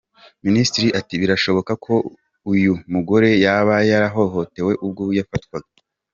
Minisitiri ati " Birashoboka ko uyu mugore yaba yarahohotewe ubwo yafatwaga".